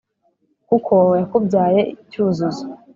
kuko yakubyaye cyuzuzo